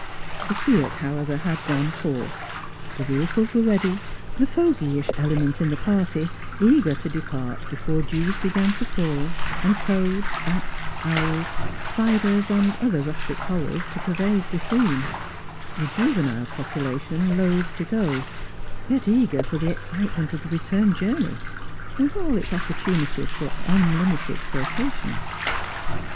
The fiat, however, had gone forth, the vehicles were ready, the fogy ish element in the pai ty eager to depai t before dewa began to fall, and toads, bats, owls, spiders, and other rustic horrors to pervade the scene ; the juvenile population loth to go, yet eager for the excitement of the return journey, with all its opportunities for unlimited flirtation.